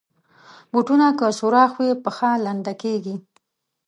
بوټونه که سوراخ وي، پښه لنده کېږي.